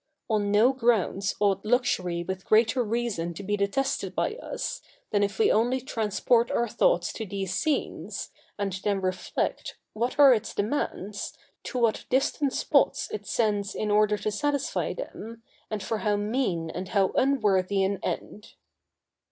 On no grounds ought luxury with greater reason to be detested by us, than if we only transport our thoughts to these scenes, and then reflect, what are its demands, to what distant spots it sends in order to satisfy them, and for how mean and how unworthy an end!